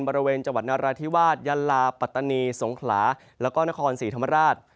บริเวณจังหวัดนราธิวาสยันลาปัตตานีสงขลาแล้วก็นครศรีธรรมราช